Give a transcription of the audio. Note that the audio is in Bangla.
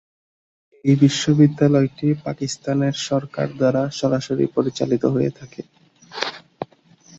এই বিশ্ববিদ্যালয়টি পাকিস্তানের সরকার দ্বারা সরাসরি পরিচালিত হয়ে থাকে।